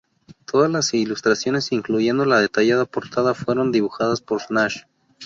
Todas las ilustraciones, incluyendo la detallada portada, fueron dibujadas por Nash.